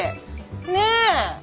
ねえ？